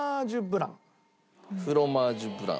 フロマージュブラン？